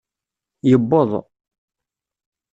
Yewweḍ.